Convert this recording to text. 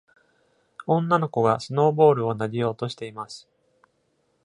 女の子がスノーボールを投げようとしています。